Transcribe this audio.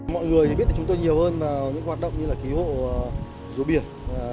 mọi người biết chúng tôi nhiều hơn vào những hoạt động như là cứu hộ rùa biển